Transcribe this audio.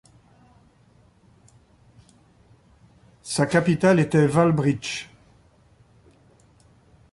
Sa capitale était Wałbrzych.